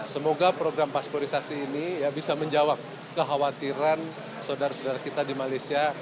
semoga program pasporisasi ini bisa menjawab kekhawatiran saudara saudara kita di malaysia